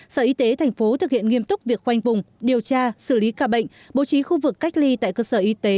sở y tế thành phố thực hiện nghiêm túc việc khoanh vùng điều tra xử lý ca bệnh bố trí khu vực cách ly tại cơ sở y tế